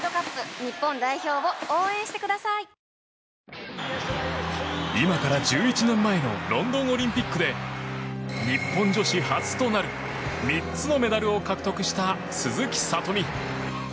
あ今から１１年前のロンドンオリンピックで日本女子初となる３つのメダルを獲得した鈴木聡美。